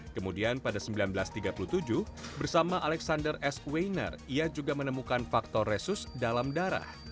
kemudian pada seribu sembilan ratus tiga puluh tujuh bersama alexander s weiner ia juga menemukan faktor resus dalam darah